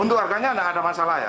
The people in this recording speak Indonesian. untuk harganya tidak ada masalah ya